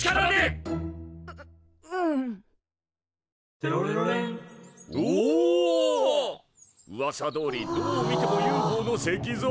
「テロレロレン」おお！うわさどおりどう見てもＵＦＯの石像。